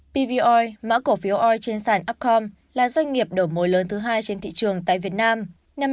pvr mã cổ phiếu oil trên sản upcom là doanh nghiệp đổ mối lớn thứ hai trên thị trường tại việt nam